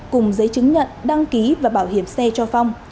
cùng giấy chứng nhận đăng ký và bảo hiểm xe cho phong